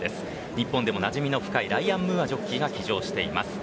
日本でもなじみの深いライアン・ムーアジョッキーが騎乗しています。